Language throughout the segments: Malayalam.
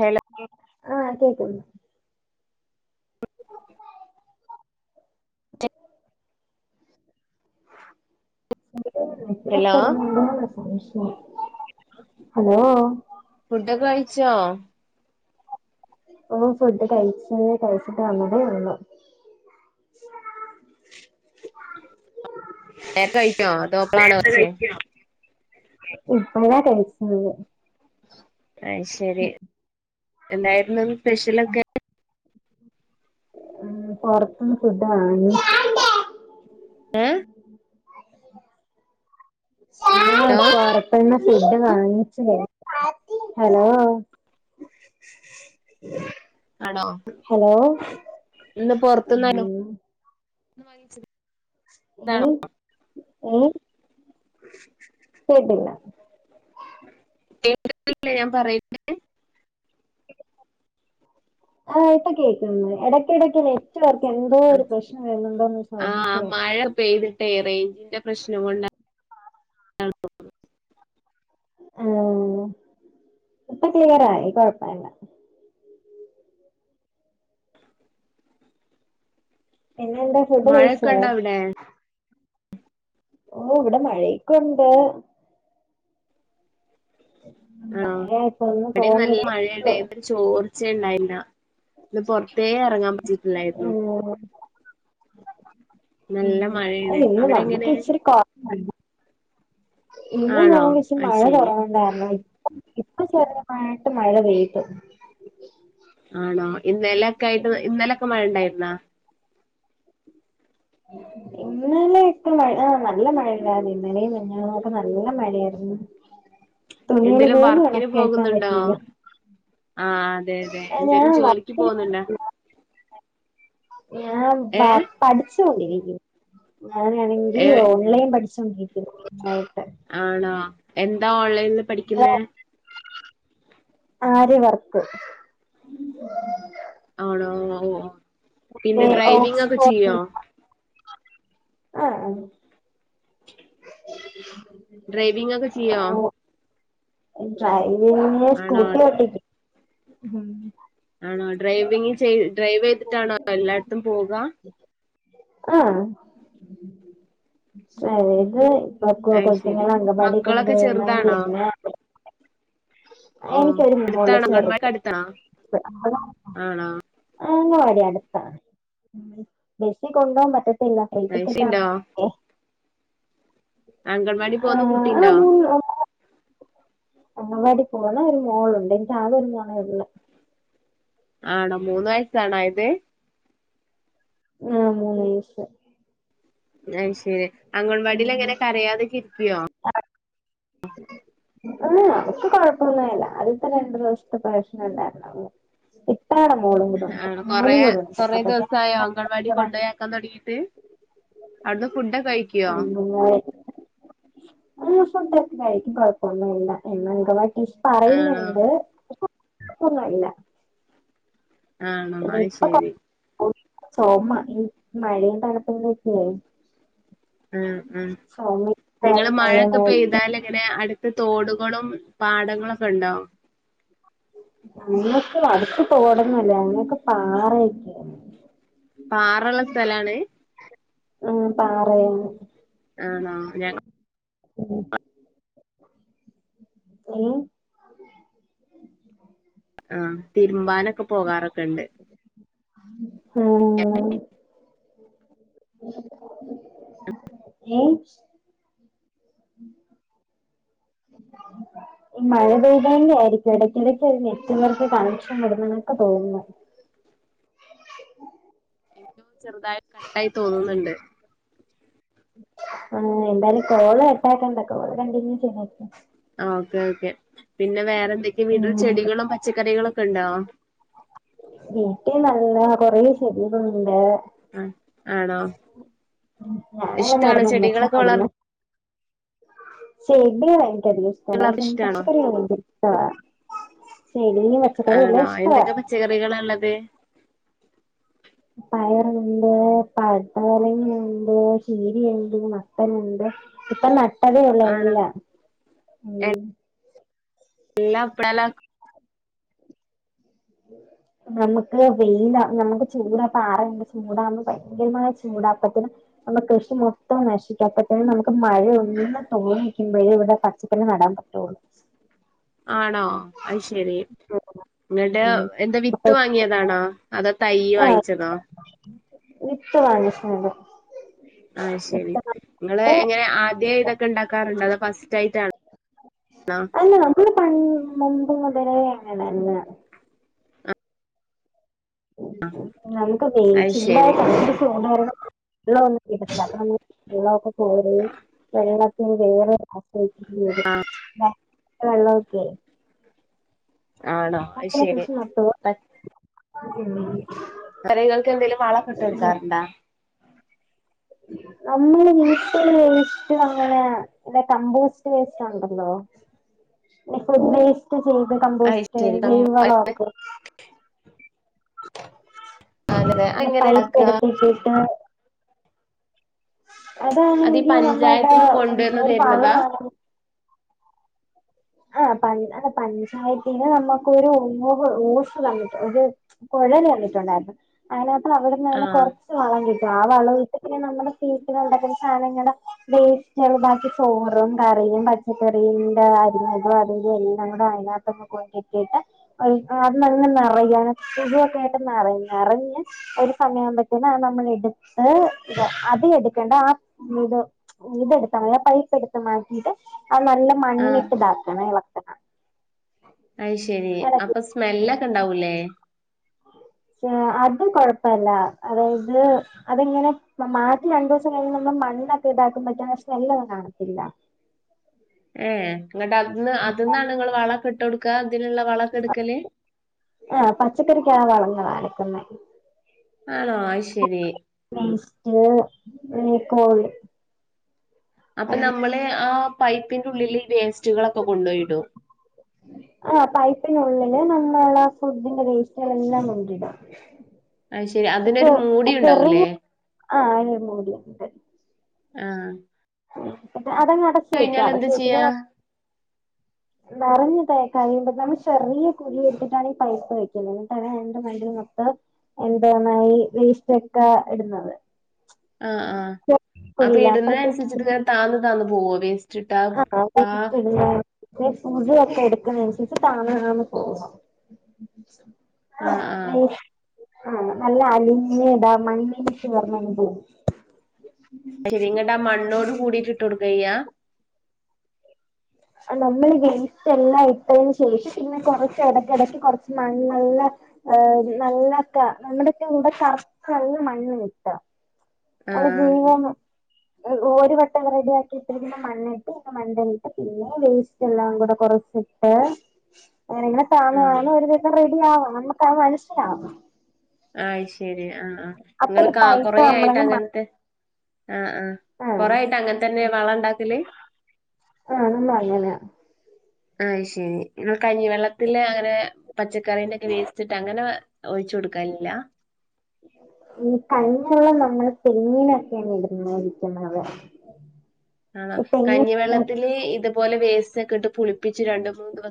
ഹലോ ആഹ് കേക്ക്ന്ന് [inaudible] ഹലോ [unintelligible] ഹലോ ഫുഡ്ഡൊക്കെ കഴിച്ചോ? ഓഹ് ഫുഡ് കഴിച്ച് കഴിച്ചിട്ട് അങ്ങടെ ഉള്ളു നേരത്തെ കഴിച്ചോ അതോ [inaudible] ഇപ്പളാണോ നേര്ത്തെ കഴിച്ചേ കഴിക്കൊ? ഇപ്പഴാ കഴിച്ച്ണത് അയ് ശരി. എന്തായിര്ന്നു സ്പെഷ്യലൊക്കെ ഉം പൊറത്ത്ന്ന് ഫുഡ്ഡ് വാങ്ങി ഏഹ് [inaudible] ഹലോ [unintelligible] പുറത്ത്ന്നു ഫുഡ്‌ വാങ്ങിച്ചേ ഹലോ ആണോ ഹലോ ആഹ് ഇന്ന്‌ വാങ്ങിച്ച് ങ്ങള് ങ്ങള് കേട്ടില്ല കേക്ക്ന്നില്ലെ ഞാൻ പറയ്ന്നെ? ആഹ് ഇപ്പ കേക്ക്ണ് [unintelligible] എടയ്ക്കെടയ്ക്ക് നെറ്റ് വർക്ക് എന്തോ ഒരു പ്രശ്നം വരുന്നുണ്ടോന്ന് ആ സംശയം മഴ പെയ്ത് റെയ്ഞ്ചിന്റെ പ്രശ്നം കൊണ്ടാ [unintelligible] [unintelligible] ഇപ്പ ക്ലിയറായി കൊഴപ്പല്ല എങ്ങെണ്ട്? മഴൊക്കണ്ടവ്ടെ? ഓ ഇവടെ മഴക്കൊണ്ട് ആഹ് മഴ ഇപ്പൊന്ന് ഇവടിം നല്ല തോന്നതേ ഉള്ളൂ മഴേണ് ചോർച്ചയെ ഇണ്ടായിര്ന്ന ഇന്ന് പൊറത്തേ എറങ്ങാൻ പറ്റിട്ടില്ലായിരുന്നു. ഉം ഉം നല്ല മഴയാണ് അല്ല ഇങ്ങള് അവിടെ വന്നിട്ട് എങ്ങനെ ഇച്ചിരി ക ഇതിന്റെ ആണോ [unintelligible] അത് മഴ ശരി കൊറവാ ഇപ്പ ചെറ്തായ്ട്ട് മഴ പെയ്ത് ആണോ? ഇന്നലൊക്കെ ആയിട്ട് ഇന്നലൊക്കെ മഴ ഇണ്ടായിരുന്നോ? ഇന്നലെ ഇത്ര മഴ ആഹ് നല്ല മഴയാ ഇന്നലിം മിഞ്ഞാന്നൊക്കെ നല്ല മഴയായിര്ന്നു തുണികള് എന്തേലും പോലും വർക്കിന് ഒണക്കി എടുക്കാൻ പോകുന്നുണ്ടോ പറ്റീല്ല. ആഹ് അതെ അതെ എന്തേലും ജോലിക്ക് പോകുന്നുണ്ടോ [unintelligible] ഞാൻ പ ഏഹ് പഠിച്ചുകൊണ്ടിരിക്കുന്നു. ഞാനാണെങ്കി ഏ എളയത് പഠിച്ചൊണ്ടിക്കുന്നു [unintelligible] ആണോ എന്താ ഓൺലൈനിൽ പഠിക്കുന്നേ? [unintelligible] വർക്ക്. ആണോ ഓ മറ്റേ പിന്നെ ഡ്രൈവിംഗ് ഒക്കെ ഓക്സ്ഫോർഡി ചെയ്യോ [unintelligible] ആഹ് [unintelligible] ഡ്രൈവിംഗ് ഒക്കെ ചെയ്യോ ഡ്രൈവിങ്ങ് ആണോ സ്കൂട്ടി വട്ടിക്കും ഉം ആണോ ഡ്രൈവിങ് ചെയ് ഡ്രൈവ് ചെയ്തിട്ടാണോ എല്ലാട്ത്തും പോക? ആഹ് [unintelligible] [unintelligible] അത് ശരി മക്കളൊക്കെ ചെറുതാണോ ഓ എനിക്കൊരു മോളേയുള്ളു അടുത്താണോ ചേറുത്ത് അംഗൻവാടിക്ക് അടുത്താണോ ആണോ അങ്ങവാടി അടുത്താണ് ബെസി കൊണ്ടുൻ പറ്റ ല്ല ഫ്രീ ടിക്കറ്റ് ണ്ടോ ആണേ [unintelligible] അംഗൻവാടി പോകുന്ന ആഹ് കുട്ടിണ്ടോ? അങ്ങവാടി പോണ ഒരു മോളുണ്ട് എനിക്ക്‌ ആകെ ഒരു മോളെ ഉള്ള് ആണോ മൂന്ന് വയസ്സാണോ ആയത് ആഹ് മൂന്ന് വയസ് അയിശെരി ഉം അഗൺവാടിലെങ്ങനെ കരയാതൊക്കെ ഇരിക്ക്വോ [inaudible] ആഹ് അവക്ക് കൊഴപ്പോന്നില്ല അതിപ്പം രണ്ടു ദിവസത്തെ പ്രശ്നം ഇണ്ടായിരുന്നുള്ളു എട മോളും കൂടെ ഒണ്ട് മോനും കൂടെ ഒണ്ട് അപ്പൊതന്നെ ആയോ അംഗൺവാഡി കൊണ്ടയാക്കൻ തുടങ്ങിട്ട് അവിടുന്ന് ഫുഡൊക്കെ കഴിക്കുവോ [unintelligible] ആ സ്വന്തൊക്ക ആയിരിക്കും കൊഴപ്പൊന്നുല്ല [unintelligible] ആണോ പറയുന്നുണ്ട് കുഴപ്പൊന്നുംല്ല ആണോ അത് ശരി. ഓഹ് ചോമ ഈ മഴയും തണപ്പും [unintelligible] ഉം ഉം ചുമ നിങ്ങള് മഴൊക്കെ കാര്യങ്ങളുമായിട്ട് പെയ്താല് എങ്ങനെ അടുത്ത് തോടുകളും പാടങ്ങളൊക്കെ ഉണ്ടൊ [inaudible] ങ്ങക്ക് വടച്ച് പോടന്നല്ല അനെയൊക്കെ പാറയക്കണ് പാറള്ള സ്ഥലാണ് [unintelligible] ആണോ ഞ [unintelligible] ഏ ആഹ് തിരുമ്പാനൊക്കെ പോകാറൊക്കെണ്ട്. [unintelligible] ഏഹ് ഈ മഴ പെയ്തേണ്ട ആയിരിക്കും ഇടയ്ക്കിടക്ക് നെറ്റുകർക്ക് കണക്ഷൻ വിടുന്നതായി തോന്നുന്നത് എനിക്കും ചെറുതായി കട്ടായി തോന്നുന്നുണ്ട്. ആ എന്തായാലും കോള കട്ടാക്കണ്ട കോള കണ്ടിന്യൂ ചെയ്യ ആഹ് ഓക്കേ ഓക്കെ പിന്നെ വേറെന്തക്കെ വീട്ടിൽ ഉം ചെടികളും പച്ചക്കറികളൊക്കെ ഒണ്ടോ? വീട്ടിൽ നല്ല കൊറേ ചെടികളുണ്ട്. അ ആണോ ഇഷ്ടാണോ ചെടികളൊക്കെ വളർ ശരി ഇവിടെ വാങ്ങിക്കാനിഷ്ടാണ് വളർത്താൻ ഇഷ്ടാണോ പച്ചക്കറിയ വണ്ട ആഹ് [unintelligible] പച്ചക്കറി എല്ലാ ഇഷ്ട്ടാ. കറികളല്ലത് പയറുണ്ട് പടലങ്ങുണ്ട് ചീരീണ്ട് മത്തന്ണ്ട്. ഇപ്പ നട്ടതേയൊള്ളൂ ആണോ എല്ലാം ഉം എല്ല [unintelligible] ഉം [inaudible] നമുക്ക് വെയില നമുക്ക് ചൂടാ പാറയ ചൂടാ ഭയങ്കര ചൂടാ അപ്പത്തിന്. നമ്മക്ക് കൃഷി മൊത്തം നശിക്കാത്ത തന്നെ നമുക്ക് മഴയ ഒന്ന്‌ തോന്നിക്കുമ്പോഴും ഇവിടെ പചക്കറി നടാൻ പറ്റി ചോറ് ആണോ അയ്ശരി ഉം എന്ന്ട്ട് ഉം എന്താ അപ്പൊ വിത്ത് വാങ്ങിയതാണാ? അതാ തൈ ആഹ് വാങ്ങിച്ചതോ? വിത്ത് വാങ്ങ്യ സ്ഥലം ആഹ ശരി നിങ്ങള് എങ്ങനെ ആദ്യ ഇതൊക്കെ ഉണ്ടാക്കാറുണ്ടോ അതോ ഫസ്റ്റ് ആയിട്ടാ ആഹ് അല്ല നമ്മള് പൺ [unintelligible] പണ്ട് മുതലേ ഇങ്ങനേന്നാ നമുക്ക് വേ അത് ശരി ചുടായിട്ടാ [unintelligible] വെള്ള ഒന്നും കിട്ടത്തില്ല. അപ്പ നമ്മ വെള്ളൊക്കെ കോരി വെള്ളത്തിന് വേറെ [unintelligible] വെള്ള ഒക്കെ [unintelligible] ആണോ അത് അപ്പളാ ശരി കൃഷി നട്ടത്. ചടികൾക്ക് എന്തെങ്കിലും വളക്കെട്ട് കൊട്ക്കാറ്ണ്ടാ? നമ്മള് നിക്ക് ഇഷ്ടം അങ്ങനെ. ഇത കമ്പോസ്റ്റ് വേസ്റ്റ് ഉണ്ടല്ലോ ഫുഡ് വേസ്റ്റ് ചെയ്ത് അത് കമ്പോസ്റ്റ് ശരി ജൈവ കമ്പ- വളൊക്കെ. അതെ. പിന്ന എങ്ങനെ പൈപ്പ ഇണ്ടാക്കാ എടുത്തിട്ടിട്ട് അത് ഈ അതാണെങ്കി നമ്മുടെ പഞ്ചായത്ത്ന്ന് എന്ത കൊണ്ടുവന്ന് ഒരു ഭാഗ തര്ണതാ [unintelligible] ആഹ് പഞ്ച അല്ല പഞ്ചായത്തിന്റെ നമ്മുക്കൊരു [unintelligible] ഒരു കൊഴല് വന്നിട്ടുണ്ടായിരുന്നു അയിനകത്ത് അവിടുന്ന് തന്നെ ആഹ് കൊറച്ച് വളം കിട്ടും ആ വളം കട്ട് പിന്നെ നമ്മുടെ വീട്ടിലുണ്ടാക്കുന്ന സാധനങ്ങളുടെ വേസ്റ്റാണ് ബാക്കി ചോറും കറിയും പച്ചക്കറിയ അരി ആഹ് അതിന്റെ [unintelligible] [unintelligible] നിറഞ് ഒരു സമയാവുംബത്തേന് അത് നമ്മൾ എടുത്ത് അത് എടുക്കേണ്ട ആ ഇത് ഇതെടുത്താമതിയേ പൈപ്പെട് മാറ്റിട്ട് അത് നല്ല ആഹ് മണ്ണിട്ട് ഇതാക്കണം ഇളകനം. അയ്‌ശെരി അപ്പൊ സ്മെല്ലക്കണ്ടാവൂല്ലേ ആഹ് അത് കൊഴപ്പല്ല അതായത് അതങ്ങനെ മാറ്റി രണ്ട് ദിവസം കഴിയുമ്പോ മണ്ണൊക്കെ ഇതാക്കും പക്ഷേ സ്മെല്ലൊന്നും കാണത്തില്ല. ഏ ഇങ്ങട്ട് അതിന്ന് അതിന്നാണ് നിങ്ങള് വളക്കെ ഇട്ട് കൊടുക്കുക ഇതിനുള്ള വളക്കെ എടുക്കല് ആഹ് പച്ചക്കറിക്കാ വളങ്ങളാ എടുക്കുന്നെ ആണോ അയ്ശെരി [unintelligible] അപ്പൊ നമ്മള് ആ പൈപ്പിന്റെള്ളിൽ വേസ്റ്റുകളൊക്കെ കൊണ്ടുപോയിടും. ആ പൈപ്പിനുള്ളില് നമ്മളെ ഫുഡിന്റെ വേസ്റ്റുകളെല്ലാം കൊണ്ടിടാം. അയ്ശെരി അതിനൊരു മൂടി ഉണ്ടാവൂല്ലേ ആഹ് [unintelligible] ആഹ് അതങ്ങ് അടച് വക്ക കഴിഞ്ഞാൽ അടച്ചു എന്താ വക്കുമ്പോ ചെയ്യാ നെറഞ്ഞു ക കഴിയുമ്പോതന്നെ ചെറിയ കുരു ഇടുതിട്ടാണ് ഈ തൈ ക്കെ വെക്കുന്നത്. [unintelligible] മൊത്തം എന്താണ് ഈ വേസ്റ്റൊക്കെ ഇടുന്നത്. ആഹ് ആഹ് അപ്പൊ കുഴിയില അപ്പഴത്തേ ഇടുന്നതിനനുസരിച്ചിട്ട് വേം താന്നു താന്ന് പോവോ വേസ്റ്റ് ഇട്ടാ ആക്കാ കാക്കി ആഹ് ചെയ്യാ [unintelligible] ആഹ് ആഹ് [unintelligible] ആഹ് നല്ല [unintelligible] അയ് ശെരി ഇങ്ങട്ടാ മണ്ണോട് കൂടിട്ട് ഇട്ട് കൊടുക്കായ്യാ അല്ല ഇങ്ങള് വേസ്റ്റ് എല്ലാം ഇട്ടതിന് ശേഷം പിന്നെ കൊറച്ച് എടക്കെടക്ക് കൊറച്ച് മണ്ണെല്ലാം യെ നല്ലൊക്കെ ക നമ്മടെക്കെ ഇവടെ കറത്ത് നല്ല മണ്ണ് കിട്ട്യാ ആഹ് [unintelligible] ഒര് വെട്ടം റെഡിയ ആക്കി ഇട്ടിരുന്നാ മണ്ണിട്ട് മണ്ടലി ഇപ്പം പിന്നെ വേസ്റ്റ് എല്ലാം കൂടെ കൊറച്ചിട്ട് എങ്ങനെ താണ ആഹ് ഒര് ദെവസം റെഡി ആവും [unintelligible] മനസ്സിലവാം ആയ് ശെരി ആഹ് ആഹ് ആഹ് അപ്പൊ നിങ്ങള് ഈ കാ പൈപ്പ് കൊറേയിട്ട് നമ്മളങ്ങ് മ അങ്ങനത്തെ ആഹ് ആഹ് കൊറായിട്ട് അങ്ങനെ തന്നെയാ വളം ഒണ്ടാക്കല്ല് ആഹ് [unintelligible] ആഹ് ശെരി കഞ്ഞി വെള്ളത്തില് അങ്ങനെ പച്ചക്കറീന്റെക്കെ വേസ്റ്റ്ട്ട് അങ്ങനെ ഒഴിച്ചു കൊടുക്കലില്യാ ഈ കഞ്ഞി വെള്ളം നമ്മള് തെങ്ങീനൊക്കെയാണ് [unintelligible] ആഹ് ഉം കഞ്ഞിവെള്ളത്തില് ഇതുപോലെ വോസ്റ്റോക്കേ ഇട്ട് പുളിപ്പിച്ച് രണ്ട് മൂന്ന് ദെവ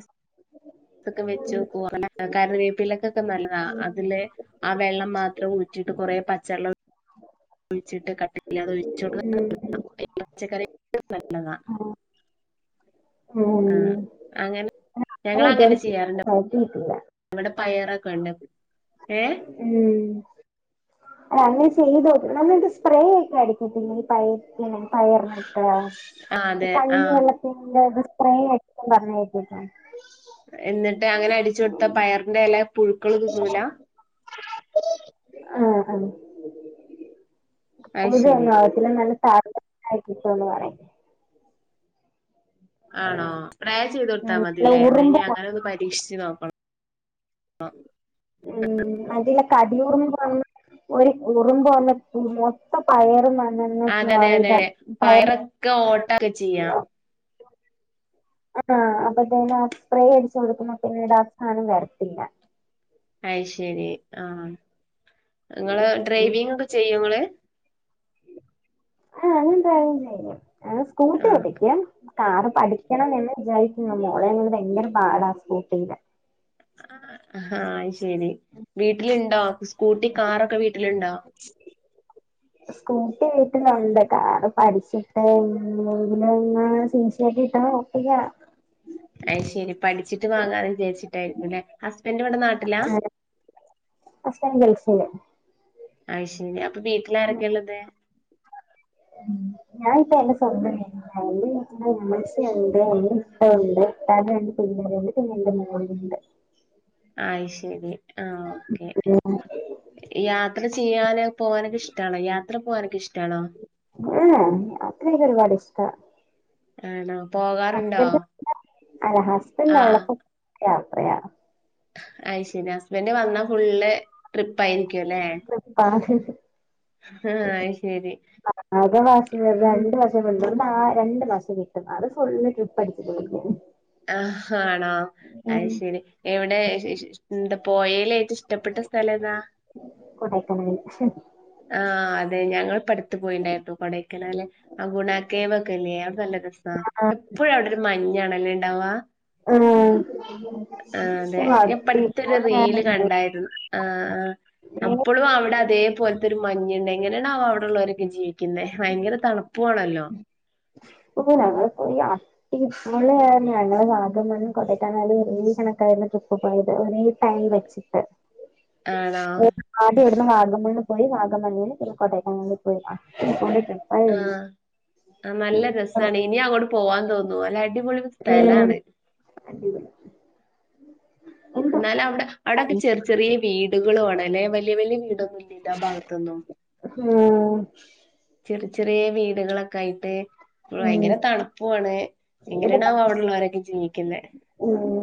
ഇതൊക്കെ വെച്ച് കൂറനെ കറിവേപ്പിലകൊക്കെ നല്ലതാ അതിലേ ആഹ് വെള്ളം മാത്രം ഊറ്റിയിട്ട് കൊറേ പച്ചേള്ളം കുയിച്ചിട്ട് [unintelligible] പച്ചക്കറി ക്ക് നല്ലതാ ഉം ആഹ് അങ്ങനെ ഞങ്ങൾ ഇതുവരെ അങ്ങനെ ചെയ്യാറുണ്ട് ശീലമാക്കിയിട്ടില്ല അവടെ പയറൊക്കെ ഒണ്ട് യെ ഉം അങ്ങനെ ചെയ്ത് നോക്ക് നമ്മളി സ്പ്രേയൊക്കെ അടിക്കത്തില്ലേ ഈ പയെ [unintelligible] പയറിന് ആഹ് ആ അതെ. ആ. കഞ്ഞി എള്ളത്തിൻ്റെ സ്‌പേറാ [unintelligible] എന്ന്ട്ട് അങ്ങനെ അടിച്ച് കൊട്ത്താ പയർന്റെ എല പുഴുക്കള് തിന്നൂലാ ആദീ ആഹ് [unintelligible] അത് ശരി. നല്ല [unintelligible] ആണോ സ്പ്രേ ചെയ്തൊട്ത്താ ഉം നല്ല മതില്ലേ എന്ന ഉറുമ്പ് ഇഞ്ഞ്അങ്ങനെ ഒന്ന് പരീക്ഷിച്ച് നോക്ക ഉം [unintelligible] ഒര് ഉറുമ്പ് വന്ന മൊത്തം പയറും ന ഞാൻനല്ല അതെ അതെ പ്രൗഡ അതെ പ്ലയറ് [inaudible] പയറൊക്കെ ഓട്ടൊക്കെ ചെയ്യാം ആന്നാ അപ്പൊ പിന്നെ സ്പ്രേ അടിച്ചു കൊടുക്കുമ്പോ പിന്നീട് ആ സാധനം വരത്തില്ല അയ്ശരി ആഹ് ങ്ങള് ഉം ഡ്രൈവിംഗ് ഒക്കെ ചെയ്യോ ങ്ങള് ആഹ് എന്താ യാലും ചെയ്യും ആഹ് സ്കൂട്ടി ആ ഓട്ടിക്കും കാറ് പഠിക്കണം എന്ന് വിചാരിക്ക്ന്നില്ല മോളേംകൊണ്ട് ഭയങ്കര പാടാ സ്കൂട്ടിയില് ആഹ് അത് ശെരി വീട്ടില്ണ്ടോ സ്കൂട്ടി കാറൊക്കെ വീട്ടില്ണ്ടോ [unintelligible] ശെര്യാ അയ്ശരി പഠിച്ചിട്ട് വാങ്ങാ വിചാരിച്ചിട്ടായിരിക്കല്ലേ ഹസ്ബൻഡിവിടെ നാട്ട ആഹ് ഹസ്ബന്റ് ഗൾഫില് അയ് ശരി അപ്പൊ വീട്ടിൽ ആരൊക്കെ ഉള്ളത് ഞാനിപ്പോ [unintelligible] എൻ്റെ ഉമ്മച്ചിയോണ്ട് [unintelligible] ഉപ്പാ ഉണ്ട് രണ്ട് [unintelligible] പിന്നെ എന്റെ മോളിണ്ട് അയ്ശരി ഉം യാത്ര ചെയ്യാന് പോകാനൊക്കെ ഇഷ്ടാണോ യാത്ര പോകാനൊക്കെ ഇഷ്ടണോ ഇല്ല [unintelligible] ഒരുപാട് ഇഷ്ടാ ആണോ പോകാ ഹസ്ബൻ്റെ [unintelligible] ഹസ്ബൻ്റെ ആ ഒള്ളപ്പേ യാത്രയാ ഐ ശെരി ഹസ്ബൻഡ് വന്നാ ഫുള്ള് ട്രിപ്പ് ആയിരിക്കുവല്ലേ ആഹ് ആഹ് ശേരി [unintelligible] രണ്ട് വർഷം [unintelligible] ആ രണ്ടു മാസം കിട്ടും അത് ഫുള്ള് ട്രിപ്പ് അടിച്ച് തീർക്കും ആഹ് ആണോ അയ് ശരി എവിടെ [unintelligible] എന്താ പോയേൽ ഏറ്റോം ഇഷ്ടപ്പെട്ട സ്ഥലം ഏതാ കോടേക്കാനാലി ആഹ് അതെ ഞങ്ങള് [unintelligible] പോയിണ്ടായിട്ടോ കൊടയ്ക്കനാല്ലെ ആഹ് ഗുണാക്കേവൊക്കേ ഇല്ലേ ആഹ് എപ്പഴും അവിടെ ഒരു മഞ്ഞാണല്ലേ ഇണ്ടവാ ആഹ് അതെ ഞാപ്പടുത്തൊരു റീല് കണ്ടായി ആഹ് ആഹ് അപ്പോളും അവടെ അതേ പോലെ ഇതൊരു മഞ്ഞുണ്ട് എങ്ങനെയാണാ ആവോ അവടെള്ളവരൊക്കെ ജീവിക്ക്ന്നോ ഭയങ്കര തണുപ്പും ആണല്ലോ [unintelligible] ഇപ്പോള് ഞങ്ങള വാഗമൺ കൊടയ്ക്കാനാല്ല് വെരേയും [unintelligible] ട്രിപ്പ് പോയത് [unintelligible] ടൈം വെച്ചിട്ട് ആണോ ആദ്യം ഇവിടുന്ന് വാഗമണ്ണ് പോയി വാഗമണ്ണിന്ന് പിന്നേം കോടൈക്കനാൽ പോയി [unintelligible] ആഹ് അ ഉം നല്ല രസാണ് ഇനിയങ്ങോട്ട് പോവാൻ തോന്നു അല്ല അടിപൊളി ഉം സ്ഥലാണ് [unintelligible] എന്നാല് എന്തോ അവടെ അവടെക്കെ ചെറി ചെറിയ വീടുകളാണ് അല്ലെ വല്ല്യായ വല്ല്യായ വീടൊന്നൊ എല്ലാ ഭാഗത്ത്ന്നും ഉം ചെറി ചെറിയ വീടുകളൊക്കെ ആയിട്ട് ഉം ഭയങ്കര തണു പ്പാണ് ഭയങ്കര എങ്ങനെയാണാ ത- ആവോ അവടെള്ളവരൊക്കെ ജീവിക്ക്ന്നേ ഉം